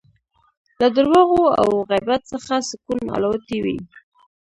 له درواغو او غیبت څخه سکون الوتی وي